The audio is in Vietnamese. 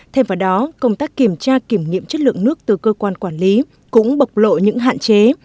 thêm vào đó công tác kiểm tra kiểm nghiệm chất lượng nước từ cơ quan quản lý cũng bộc lộ những hạn chế